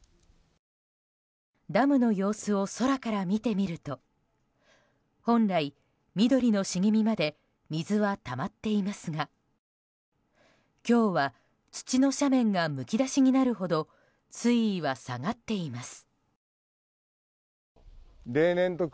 ダムの様子を空から見てみると本来、緑の茂みまで水はたまっていますが今日は土の斜面がむき出しになるほど水位は下がっています。